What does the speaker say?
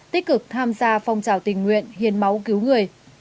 tích cực tham gia phong trào tình nguyện hiến máu cứu người